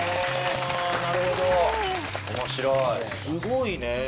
すごいね。